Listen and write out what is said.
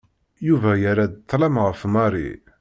Yuba yerra-d ṭlem ɣef Mary.